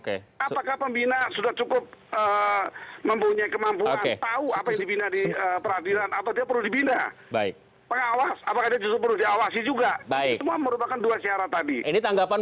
apakah pembina sudah cukup mempunyai kemampuan